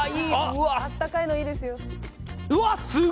うわっ温かいのいいですよ